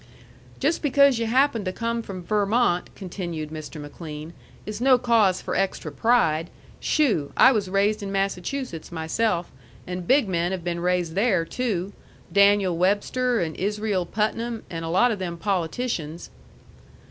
"Jest because yu' happen to come from Vermont," continued Mr. McLean, "is no cause for extra pride. Shoo! I was raised in Massachusetts myself, and big men have been raised there, too, Daniel Webster and Israel Putnam: and a lot of them politicians."